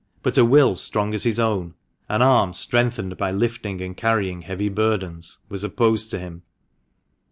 But a will strong as his own — an arm strengthened by lifting and carrying heavy burdens — was opposed to him.